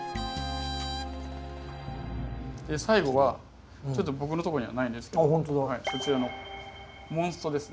最後はちょっと僕のとこにはないんですけどそちらのモンストですね。